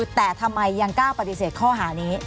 แต่ทำไมยังกล้าปฏิเสธข้อหานี้